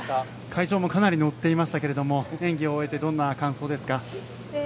会場もかなり乗っていましたけれども演技を終えてどんな感想ですか？